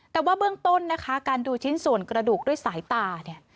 แต่ว่าเบื้องต้นนะคะการดูชิ้นส่วนกระดูกด้วยสายตาเนี่ย